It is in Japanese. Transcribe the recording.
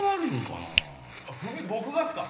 僕がっすか？